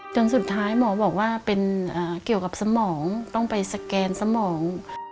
จนสุดท้ายหมอบอกว่าเป็นเกี่ยวกับสมองต้องไปสแกนสมอง